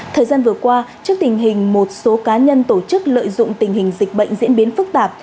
thời gian vừa qua trước tình hình một số cá nhân tổ chức lợi dụng tình hình dịch bệnh diễn biến phức tạp